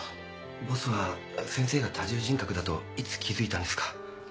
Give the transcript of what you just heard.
ボスは先生が多重人格だといつ気付いたんですか？